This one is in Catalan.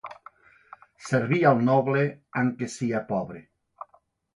Servir al noble, anc que sia pobre.